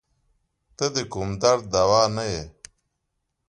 ته د کوم درد دوا نه یی